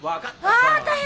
ああ大変！